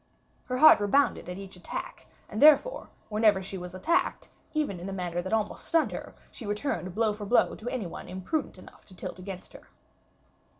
Her heart rebounded at each attack, and therefore, whenever she was attacked, even in a manner that almost stunned her, she returned blow for blow to any one imprudent enough to tilt against her.